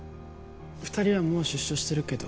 二人はもう出所してるけど